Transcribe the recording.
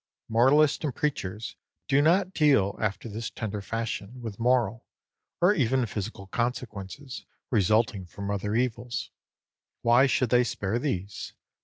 Moralists and preachers do not deal after this tender fashion with moral, or even physical consequences, resulting from other evils. Why should they spare these?